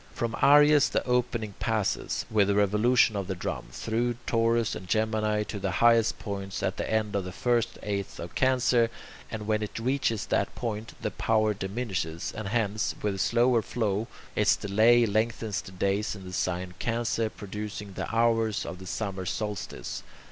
From Aries the opening passes, with the revolution of the drum, through Taurus and Gemini to the highest point at the end of the first eighth of Cancer, and when it reaches that point, the power diminishes, and hence, with the slower flow, its delay lengthens the days in the sign Cancer, producing the hours of the summer solstice.